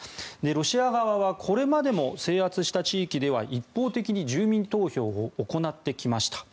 ロシア側はこれまでも制圧した地域では一方的に住民投票を行ってきました。